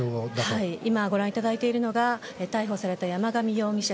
ご覧いただいているのが逮捕された山上容疑者。